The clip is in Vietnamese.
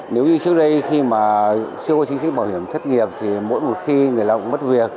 nếu như trước đây khi mà chưa có chính sách bảo hiểm thất nghiệp thì mỗi một khi người lao động mất việc